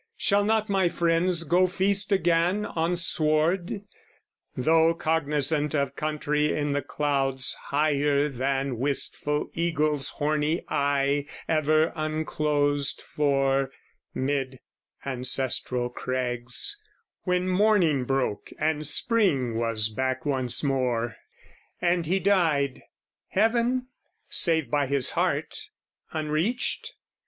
Shall not my friends go feast again on sward, Though cognisant of country in the clouds Higher than wistful eagle's horny eye Ever unclosed for, 'mid ancestral crags, When morning broke and Spring was back once more, And he died, heaven, save by his heart, unreached?